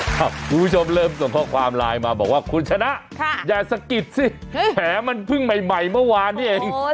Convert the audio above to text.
คุณผู้ชมเริ่มส่งข้อความไลน์มาบอกว่าคุณชนะอย่าสะกิดสิแผลมันเพิ่งใหม่เมื่อวานนี้เอง